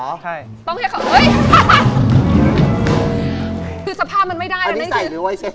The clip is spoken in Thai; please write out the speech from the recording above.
สภามันไม่ได้